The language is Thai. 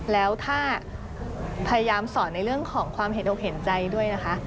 แล้วถ้าพยายามสอนในเรื่องของความเห็นอกเห็นใจด้วยนะคะ